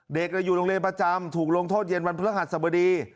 เด็กอยู่โรงเรียนประจำถูกลงโทษเย็นวันพฤหัสสบดี